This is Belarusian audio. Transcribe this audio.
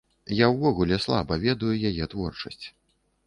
Я ўвогуле слаба ведаю яе творчасць.